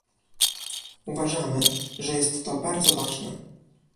Uważamy, że jest to bardzo ważne